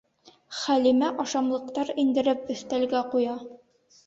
Хәлимә ашамлыҡтар индереп өҫтәлгә ҡуя.